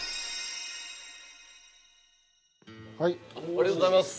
ありがとうございます。